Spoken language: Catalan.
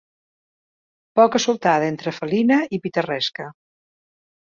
Poca-soltada entre felina i pitarresca.